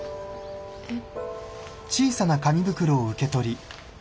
えっ。